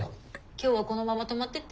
今日はこのまま泊まってって。